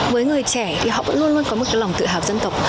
với người trẻ thì họ vẫn luôn luôn có một cái lòng tự hào dân tộc